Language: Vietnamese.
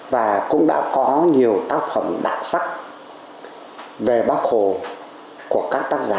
và cũng đã có nhiều tác phẩm đặc sắc về bác hồ của các tác giả